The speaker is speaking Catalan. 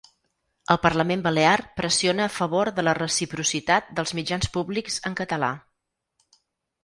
El parlament balear pressiona a favor de la reciprocitat dels mitjans públics en català.